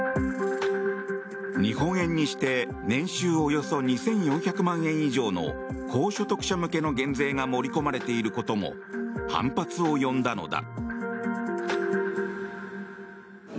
日本円にして年収およそ２４００万円以上の高所得者向けの減税が盛り込まれていることも反発を呼んだのだ。